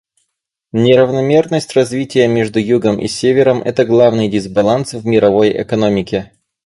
Неравномерность развития между Югом и Севером — это главный дисбаланс в мировой экономике.